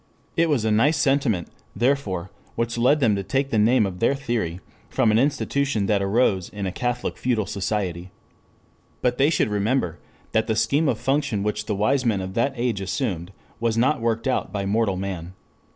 It was a nice sentiment, therefore, which led them to take the name of their theory from an institution that arose in a Catholic feudal society. But they should remember that the scheme of function which the wise men of that age assumed was not worked out by mortal man.